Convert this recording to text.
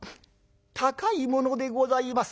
高いものでございます」。